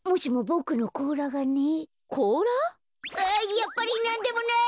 やっぱりなんでもない！